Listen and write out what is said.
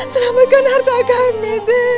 selamatkan harta kami